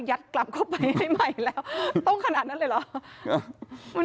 กลับเข้าไปให้ใหม่แล้วต้องขนาดนั้นเลยเหรอ